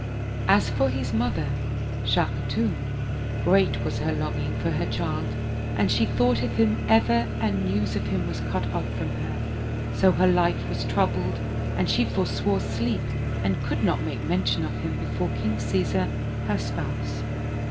As for his mother. Shah Khatun, great was her longing for her child and she thought of him ever and news of him was cut oflf from her, so her life was troubled and she forswore sleep and could not make mention of him before King Caesar her spouse.